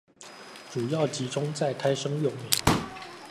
主要集中在胎生幼苗